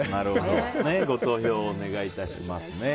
ご投票をお願いします。